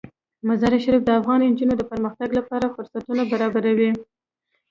مزارشریف د افغان نجونو د پرمختګ لپاره فرصتونه برابروي.